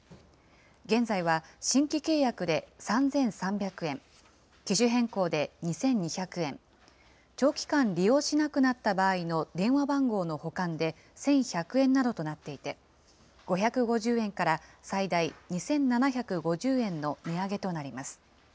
現在は新規契約で３３００円、機種変更で２２００円、長期間利用しなくなった場合の電話番号の保管で１１００円などとなっていて、５５０円から最大２７５０円の値上げとなります。